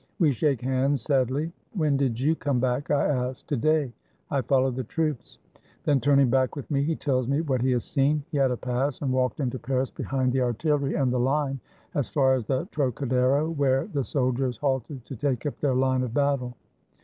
We shake hands sadly. "When did you come back? " I ask. — "To day; I followed the troops." — Then turning back with me he tells me what he has seen. He had a pass, and walked into Paris behind the artillery and the line, as far as the Trocadero, where the soldiers halted to take up their line of battle.